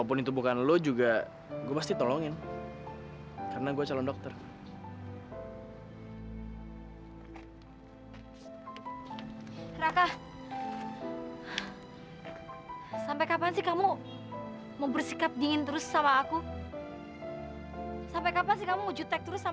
cinta itu gak bisa dipaksa